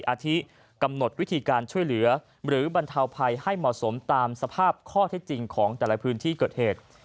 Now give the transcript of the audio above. อาทิกำหนดวิธีการช่วยเหลือหรือบรรเทาภัยให้เหมาะสมตามสภาพข้อเท็จจริงของแต่ละพื้นที่เกิดเหตุ